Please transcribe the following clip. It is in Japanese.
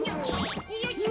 よいしょ。